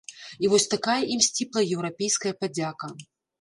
І вось такая ім сціплая еўрапейская падзяка.